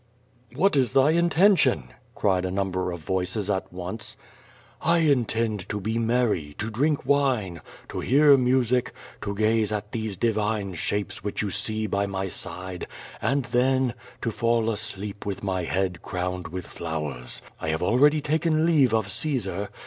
"AMiat is thy intention?" cried a number of voices at once. ^T intend to be merry, to drink wine, to hear music, to eazo at these divine shapes which you see by my side, and Ihon to fall asleep with my head crowned with flowers. I have already taken leave of Caesar.